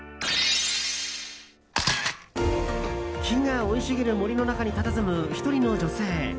木が生い茂る森の中にたたずむ１人の女性。